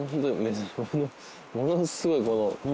ものすごいこの。